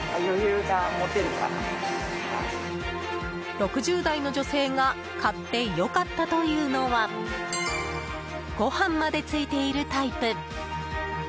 ６０代の女性が買ってよかったというのはご飯までついているタイプ。